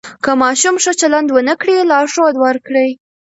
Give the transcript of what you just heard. که ماشوم ښه چلند ونه کړي، لارښود ورکړئ.